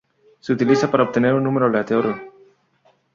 Se utiliza para obtener un número aleatorio.